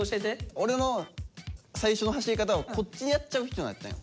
俺の最初の走り方はこっちにやっちゃう人やったんよ。